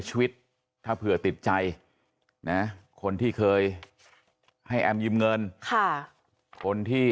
ชีวิตถ้าเผื่อติดใจนะคนที่เคยให้แอมยืมเงินคนที่